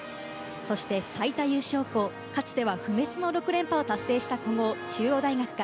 そして最多優勝校、かつては不滅の６連覇を達成した古豪・中央大学か。